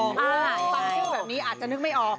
ตั้งแต่วันนี้อาจจะนึกไม่ออก